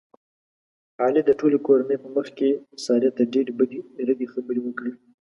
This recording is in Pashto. علي د ټولې کورنۍ په مخ کې سارې ته ډېرې بدې ردې خبرې وکړلې.